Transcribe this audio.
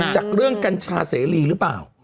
จากเรื่องกัญชาเสรีหรือเปล่า